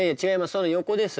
その横です。